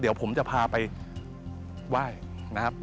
เดี๋ยวผมจะพาไปไหว้นะครับ